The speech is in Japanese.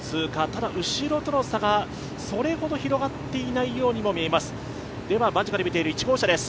ただ後ろとの差がそれほど広がっていないようにも見えます、１号車です。